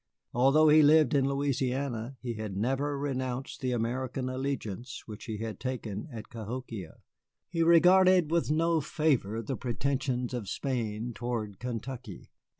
Although he lived in Louisiana, he had never renounced the American allegiance which he had taken at Cahokia. He regarded with no favor the pretensions of Spain toward Kentucky.